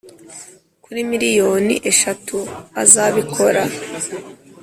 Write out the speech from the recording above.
kuri miliyoni eshatu azabikora.